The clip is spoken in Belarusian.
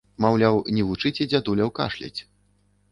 Маўляў, не вучыце дзядуляў кашляць!